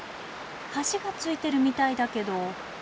橋がついてるみたいだけど。